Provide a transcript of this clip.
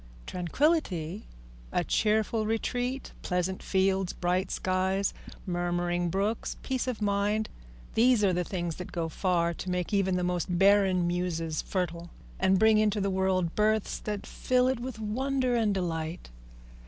Tranquillity, a cheerful retreat, pleasant fields, bright skies, murmuring brooks, peace of mind, these are the things that go far to make even the most barren muses fertile, and bring into the world births that fill it with wonder and delight.